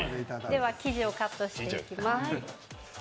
では、生地をカットしていきます。